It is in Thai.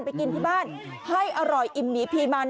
ไปกินที่บ้านให้อร่อยอิ่มหมีพีมัน